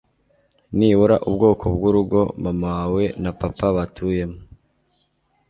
Nibura ubwoko bw'urugo mama wawe na papa batuyemo